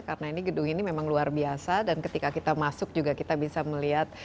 karena gedung ini memang luar biasa dan ketika kita masuk juga kita bisa melihat